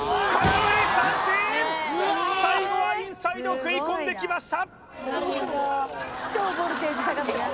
最後はインサイド食い込んできました